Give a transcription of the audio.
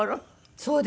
そうです。